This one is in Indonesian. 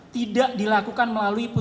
tidak dilakukan melalui komisi yudisial